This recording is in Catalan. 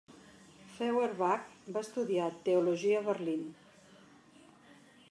Feuerbach va estudiar teologia a Berlín.